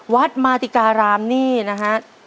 วัดมาติการามนี่นะฮะ